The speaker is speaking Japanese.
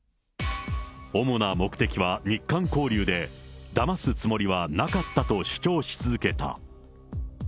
主な目的は日韓交流で、だますつもりはなかったと主張し続けた。